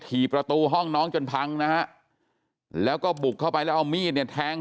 ประตูห้องน้องจนพังนะฮะแล้วก็บุกเข้าไปแล้วเอามีดเนี่ยแทง